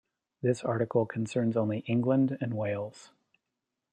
This article concerns only England and Wales.